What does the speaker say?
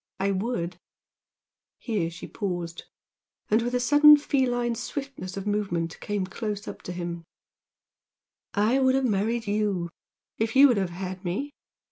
I would," here she paused, and with a sudden feline swiftness of movement came close up to him "I would have married YOU! if you would have had me!